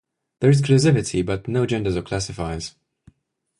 There is clusivity but no genders or classifiers.